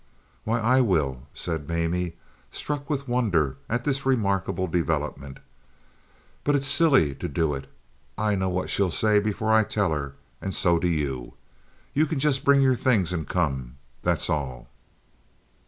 "Why, I will," said Mamie, struck with wonder at this remarkable development; "but it's silly to do it. I know what she'll say before I tell her, and so do you. You can just bring your things and come. That's all.